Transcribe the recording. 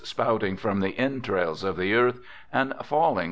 spouting from the entrails of the earth, and falling